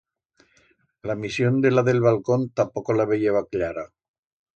La misión de la d'el balcón tapoco la veyeba cllara.